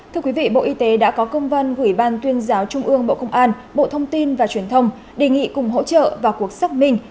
thưa quý vị bộ y tế đã có công văn gửi ban tuyên giáo trung ương bộ công an bộ thông tin và truyền thông đề nghị cùng hỗ trợ vào cuộc xác minh